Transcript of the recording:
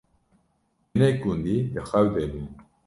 hinek gundî di xew de bûn